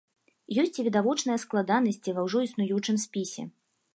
Ёсць і відавочныя складанасці ва ўжо існуючым спісе.